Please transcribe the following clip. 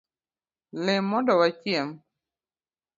Lem mondo wachiem